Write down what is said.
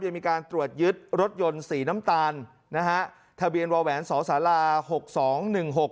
มีการตรวจยึดรถยนต์สีน้ำตาลนะฮะทะเบียนวาแหวนสอสาราหกสองหนึ่งหก